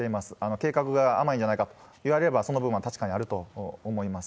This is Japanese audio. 計画が甘いんじゃないかと言われれば、その分は確かにあると思います。